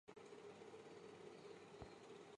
维拉湾海战是太平洋战争中的一场海上战斗。